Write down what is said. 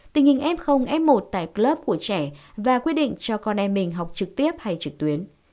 tình hình f f một tại club của trẻ và quyết định cho con em mình học trực tiếp hay trực tuyến